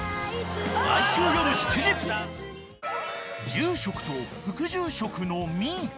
［住職と副住職のミー子］